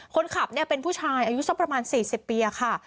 คนขับเนี่ยเป็นผู้ชายอายุสักประมาณสี่สิบปีอะค่ะ